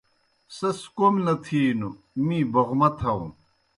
سیْس کوْم نہ تِھینوْ می بوغما تھاؤن۔